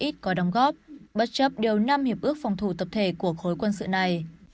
ít có đóng góp bất chấp điều năm hiệp ước phòng thủ tập thể của khối quân sự này